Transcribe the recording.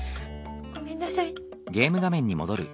ごめんなさい。